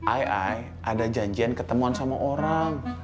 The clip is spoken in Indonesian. ay ay ada janjian ketemuan sama orang